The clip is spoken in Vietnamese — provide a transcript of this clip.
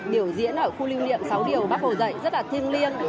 biểu diễn ở khu lưu niệm sáu điều bác hồ dạy rất là thiêng liêng